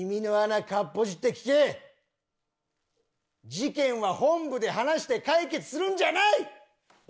事件は本部で話して解決するんじゃない！